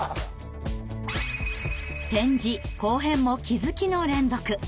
点字後編も気づきの連続！